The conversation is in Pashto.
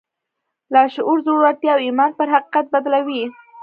لاشعور زړورتيا او ايمان پر حقيقت بدلوي.